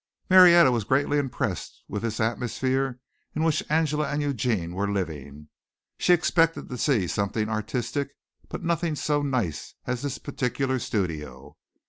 Marietta was greatly impressed with this atmosphere in which Angela and Eugene were living. She expected to see something artistic, but nothing so nice as this particular studio.